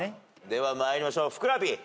では参りましょうふくらＰ。